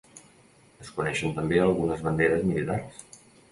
Es coneixen també algunes banderes militars.